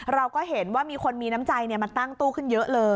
เราก็เห็นว่ามีคนมีน้ำใจมาตั้งตู้ขึ้นเยอะเลย